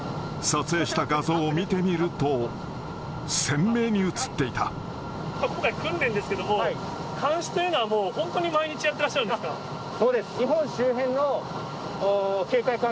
撮影した画像を見てみると、今回は訓練ですけれども、監視というのはもう、本当に毎日やってらっしゃるんですか。